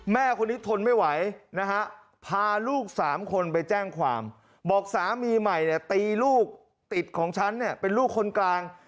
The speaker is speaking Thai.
แม่คนนี้ทนไม่ไหวนะฮะพาลูกสามคนไปแจ้งความบอกสามีใหม่เนี่ยตีลูกติดของฉันเนี่ยเป็นลูกคนกลาง